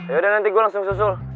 yaudah nanti gue langsung susul